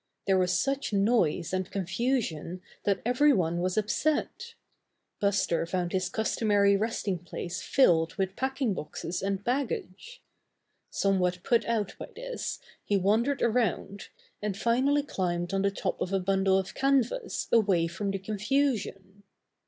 There was such noise and confusion that every one was upset. Buster found his customary rest ing place filled with packing boxes and bag Buster Becomes a Trick Bear 83 gage. Somewhat put out by this he wandered around, and finally climbed on the top of a bundle of canvas away from the confusion.